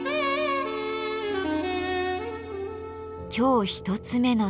今日１つ目の壺